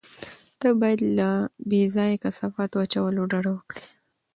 ته باید له بې ځایه کثافاتو اچولو ډډه وکړې.